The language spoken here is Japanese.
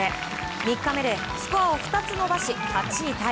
３日目でスコアを２つ伸ばし８位タイ。